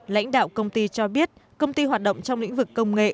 lãnh đạo công ty cho biết công ty hoạt động trong lĩnh vực công nghệ